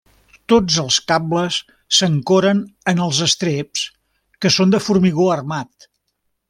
Tots els cables s'ancoren en els estreps, que són de formigó armat.